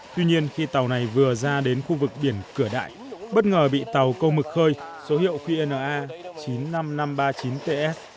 tuy nhiên khi tàu này vừa ra đến khu vực biển cửa đại bất ngờ bị tàu câu mực khơi số hiệu qna chín mươi năm nghìn năm trăm ba mươi chín ts